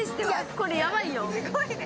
これ、ヤバいよ。